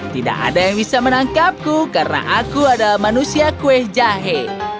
tidak ada yang bisa menangkapku karena aku adalah manusia kue jahe